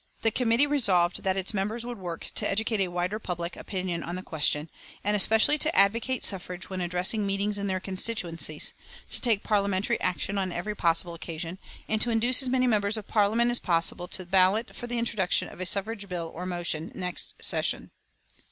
The committee resolved that its members would work to educate a wider public opinion on the question, and especially to advocate suffrage when addressing meetings in their constituencies, to take Parliamentary action on every possible occasion, and to induce as many members of Parliament as possible to ballot for the introduction of a suffrage bill or motion next session.